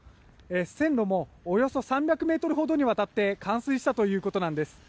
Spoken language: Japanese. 線路もおよそ３００ｍほどにわたって冠水したということなんです。